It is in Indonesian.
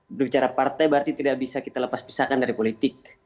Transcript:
berbicara partai berarti tidak bisa kita lepas pisahkan dari politik